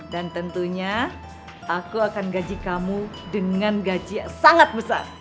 dan tentunya aku akan gaji kamu dengan gaji yang sangat besar